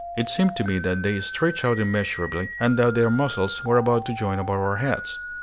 It seemed to me that they stretched out immeasurably, and that their muzzles were about to join above our heads.